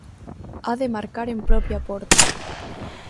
A de marcar en propia porta.